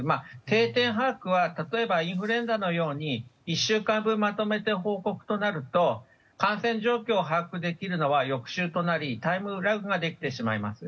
定点把握は例えばインフルエンザのように１週間分まとめて報告となると感染状況を把握できるのは翌週となりタイムラグができてしまいます。